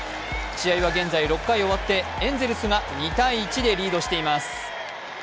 試合は現在、６回終わってエンゼルスが２−１でリードしています。